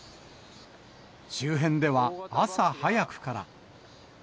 周辺では朝早くから。